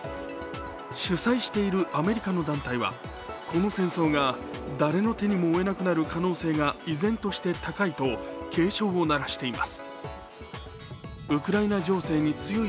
主催しているアメリカの団体はこの戦争が誰の手にも負えなくなる可能性が依然として高いと警鐘を鳴らしています。